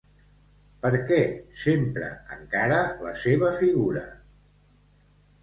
Per què s'empra encara la seva figura?